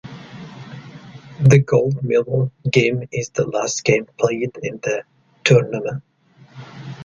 The gold medal game is the last game played in the tournament.